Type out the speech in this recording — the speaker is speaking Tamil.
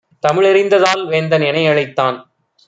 தமிழறிந்த தால்வேந்தன் எனை அழைத்தான்;